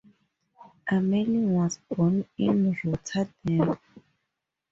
Ameling was born in Rotterdam.